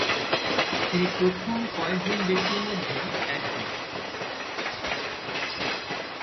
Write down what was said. তিনি প্রথম কয়েকজন ব্যক্তির মধ্যে একজন।